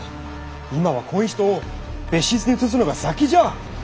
今はこん人を別室に移すのが先じゃ！